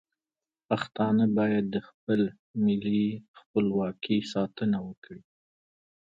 پښتانه باید د خپل ملي خپلواکۍ ساتنه وکړي.